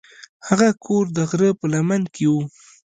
هغه کور د غره په لمن کې و.